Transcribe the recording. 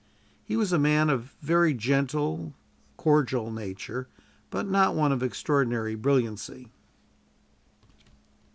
He was a man of very gentle, cordial nature, but not one of extraordinary brilliancy.